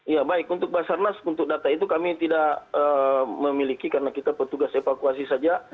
ya baik untuk basarnas untuk data itu kami tidak memiliki karena kita petugas evakuasi saja